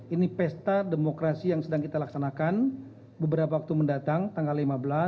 ini pesta demokrasi yang sedang kita laksanakan beberapa waktu mendatang tanggal lima belas